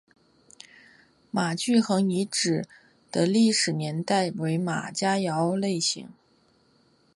马聚垣遗址的历史年代为马家窑类型。